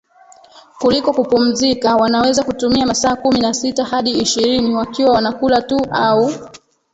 kuliko kupumzika Wanaweza kutumia masaa kumi na sita hadi ishirini wakiwa wanakula tu au